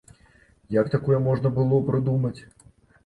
Як такое можна было прыдумаць?